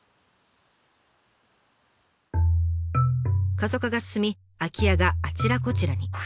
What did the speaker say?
過疎化が進み空き家があちらこちらに。